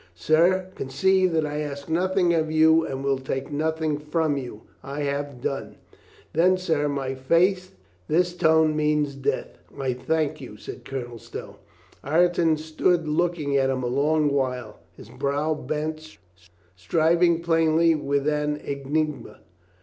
"Sir, conceive that I ask nothing of you and will take nothing from you. I have done." "Then, sir, by my faith, this tone means death." "I thank you," said Colonel Stow, Ireton stood looking at him a long while, his brow bent, striving plainly with an enigma.